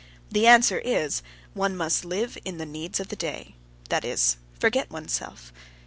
That answer is: one must live in the needs of the day—that is, forget oneself.